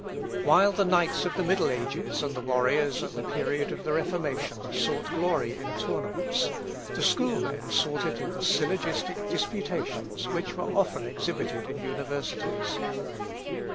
While the knights of the middle ages, and the warriors at the period of the Reformation, sought glory in tournaments, the schoolmen sought it in the syllogistic disputations, which were often exhibited in universities.